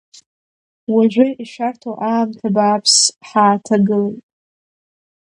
Уажәы ишәарҭоу аамҭа бааԥс ҳааҭагылеит.